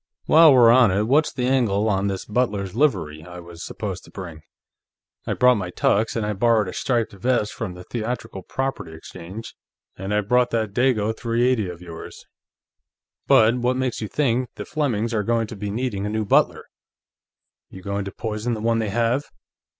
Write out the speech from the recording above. "While we're on it, what's the angle on this butler's livery I was supposed to bring? I brought my tux, and I borrowed a striped vest from the Theatrical Property Exchange, and I brought that Dago .380 of yours. But what makes you think the Flemings are going to be needing a new butler? You going to poison the one they have?"